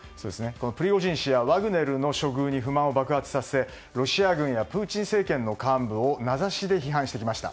プリゴジン氏やワグネルの処遇に不満を爆発させロシア軍やプーチン政権の幹部を名指しで批判してきました。